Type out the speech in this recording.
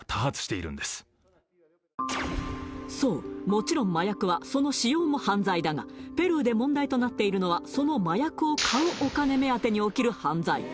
もちろん麻薬はその使用も犯罪だがペルーで問題となっているのはその麻薬を買うお金目当てに起きる犯罪！